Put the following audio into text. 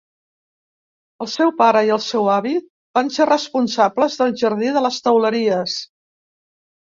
El seu pare i el seu avi van ser responsables del Jardí de les Teuleries.